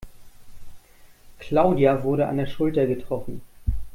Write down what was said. Claudia wurde an der Schulter getroffen.